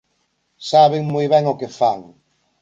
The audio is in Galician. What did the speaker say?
Saben moi ben o que fan.